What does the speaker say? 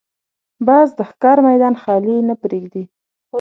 باز د ښکار میدان خالي نه پرېږدي